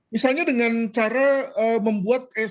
misalnya dengan cara membuat